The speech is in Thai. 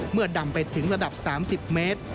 เมื่อดำไปถึงระดับ๓๐เมตร